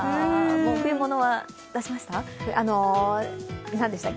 もう冬物は出しました？